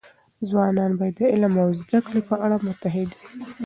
ځوانان باید د علم او زده کړې په اړه متعهد وي.